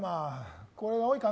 これが多いかな。